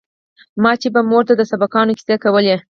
ما به چې مور ته د سبقانو کيسې کولې.